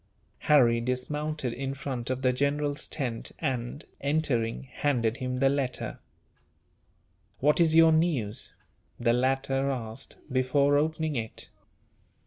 Harry dismounted in front of the general's tent and, entering, handed him the letter. "What is your news?" the latter asked, before opening it.